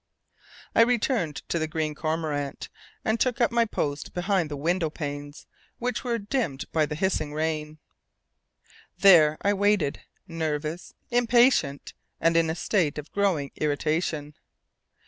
I returned to the Green Cormorant, and took up my post behind the window panes, which were dimmed by the hissing rain. There I waited, nervous, impatient, and in a state of growing irritation.